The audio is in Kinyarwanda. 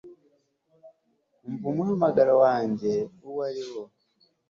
umva umuhamagaro wanjye uwariwo